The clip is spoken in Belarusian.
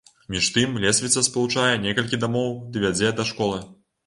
Між тым, лесвіца спалучае некалькі дамоў ды вядзе да школы.